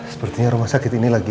sepertinya rumah sakit ini lagi